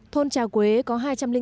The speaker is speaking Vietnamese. thôn trà quế có hai trăm linh hai hội